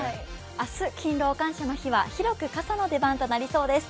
明日勤労感謝の日は広く傘の出番となりそうです。